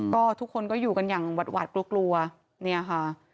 ก็ทุกคนก็อยู่กันอย่างหวัดกลัวกลัวเนี่ยค่ะ